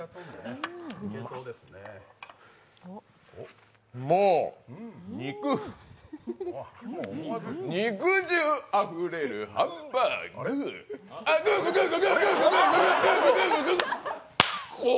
うまっもう、肉肉汁あふれるハンバーグウ。